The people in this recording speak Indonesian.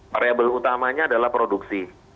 variabel utamanya adalah produksi